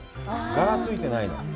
柄ついてないの。